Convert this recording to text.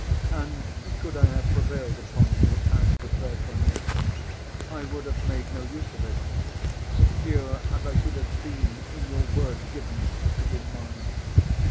And could I have prevailed upon you as to Thursday next, I would have made no use of it; secure as I should have been in your word given, to be mine.